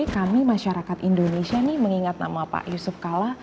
kami masyarakat indonesia nih mengingat nama pak yusuf kalla